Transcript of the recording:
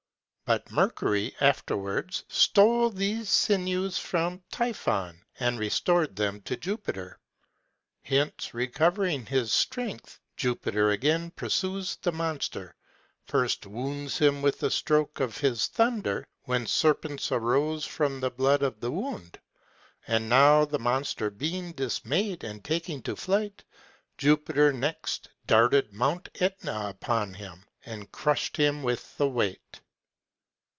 But Mercury afterwards stole these sinews from Typhon, and restored them to Jupiter. Hence, recovering his strength, Jupiter again pursues the monster; first wounds him with a stroke of his thunder, when serpents arose from the blood of the wound; and now the monster being dismayed, and taking to flight, Jupiter next darted Mount Ætna upon him, and crushed him with the weight.